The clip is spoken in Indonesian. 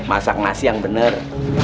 masak nasi yang bener